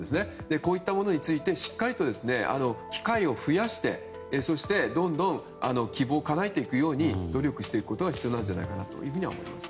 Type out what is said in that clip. こういったものについてしっかりと機会を増やしてそして、どんどん希望をかなえていくように努力していくことが必要なんじゃないかと思います。